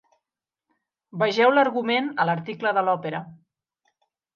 Vegeu l'argument a l'article de l'òpera.